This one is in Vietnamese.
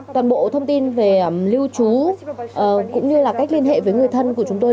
toàn bộ thông tin về lưu trú cũng như là cách liên hệ với người thân của chúng tôi